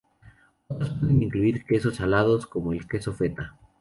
Otras pueden incluir quesos salados como el queso feta.